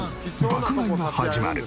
爆買いが始まる。